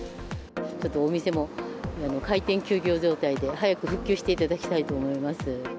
ちょっとお店も開店休業状態で、早く復旧していただきたいと思います。